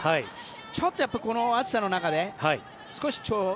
ちょっとこの暑さの中で少し。